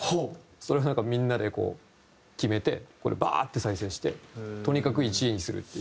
それをなんかみんなで決めてこれバーッて再生してとにかく１位にするっていう。